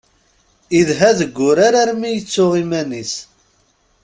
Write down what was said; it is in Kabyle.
Idha deg wurar armi yettu iman-is.